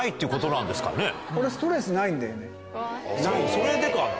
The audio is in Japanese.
それでかな？